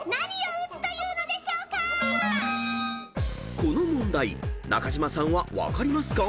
［この問題中島さんは分かりますか？］